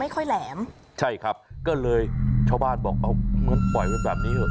ค่อยแหลมใช่ครับก็เลยชาวบ้านบอกเอางั้นปล่อยไว้แบบนี้เหอ